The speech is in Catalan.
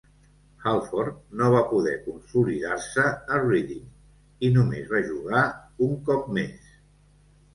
Halford no va poder consolidar-se a Reading, i només va jugar un cop més.